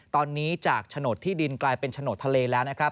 ตอนนี้จากโฉนดที่ดินกลายเป็นโฉนดทะเลแล้วนะครับ